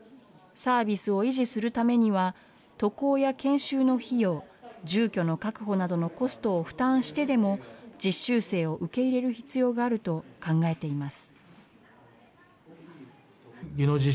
サービスを維持するためには、渡航や研修の費用、住居の確保などのコストを負担してでも、実習生を受け入れる必要があると考えています。